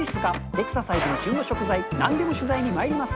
エクササイズから旬の食材、なんでも取材にまいります。